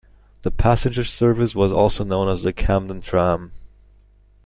The passenger service was also known as the 'Camden Tram'.